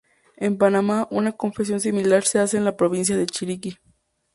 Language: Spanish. En Panamá, una confección similar se hace en la provincia de Chiriquí.